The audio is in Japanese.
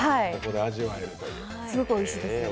すごくおいしいです。